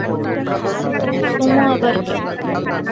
Sumo আবার কে?